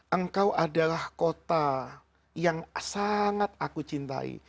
engkau adalah kota yang sangat aku cintai